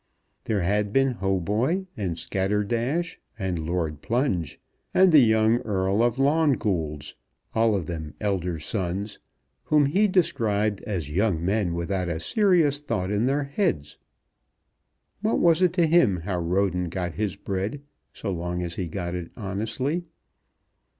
There had been Hautboy, and Scatterdash, and Lord Plunge, and the young Earl of Longoolds, all of them elder sons, whom he described as young men without a serious thought in their heads. What was it to him how Roden got his bread, so long as he got it honestly?